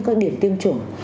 các điểm tiêm chủng